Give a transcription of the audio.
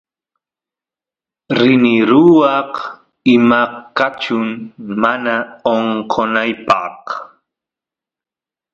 rini ruwaq imaqkachun mana onqonaypaq